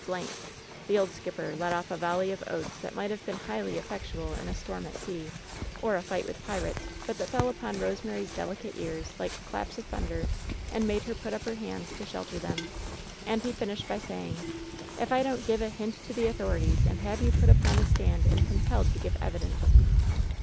1" The old skipper let off a volley of oaths that might have been highly effectual in a storm at sea, or a fight with pirates, but that fell on Rosemary's delicate ears like claps of thunder, and made her put her hands up to shelter them — and he finished by saying — "If I don't give a hint to the authorities and have you put upon the stand and compelled to give evi dence."